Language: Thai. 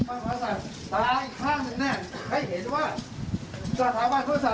ขอบคุณประโยชน์แล้วกับมันได้ใจไงโอเคผมไปแล้วผมผมไม่มีอะไรจะ